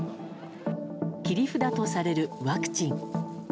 切り札とされるワクチン。